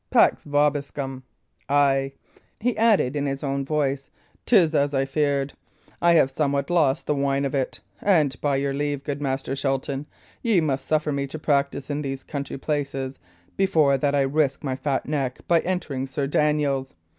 Pax vobiscum! Ay," he added, in his own voice, "'tis as I feared; I have somewhat lost the whine of it; and by your leave, good Master Shelton, ye must suffer me to practise in these country places, before that I risk my fat neck by entering Sir Daniel's.